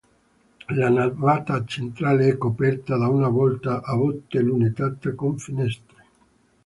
La navata centrale è coperta da una volta a botte lunettata con finestre.